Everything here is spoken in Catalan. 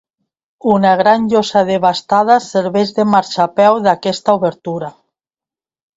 Una gran llosa desbastada serveix de marxapeu d'aquesta obertura.